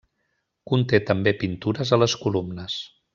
Conté també pintures a les columnes.